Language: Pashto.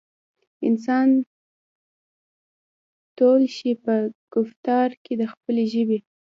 انسان تول شي پۀ ګفتار د خپلې ژبې